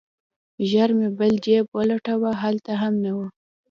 ژر مې بل جيب ولټاوه هلته هم نه و.